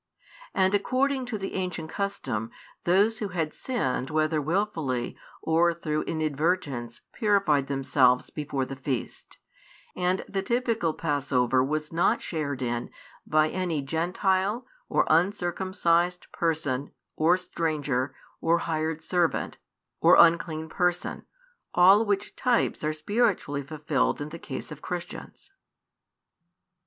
And, according to the ancient custom, those who had sinned whether wilfully or through inadvertence purified themselves before the feast; and the typical passover was not shared in by any gentile, or un circumcised person, or stranger, or hired servant, or unclean person; all which types are spiritually fulfilled in the case of Christians.